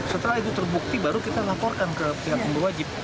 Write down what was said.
setelah itu terbukti baru kita laporkan ke pihak yang berwajib